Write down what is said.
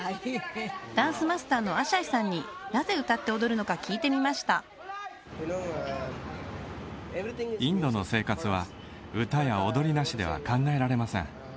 ダンスマスターのアジャイさんになぜ歌って踊るのか聞いてみましたインドの生活は歌や踊りなしでは考えられません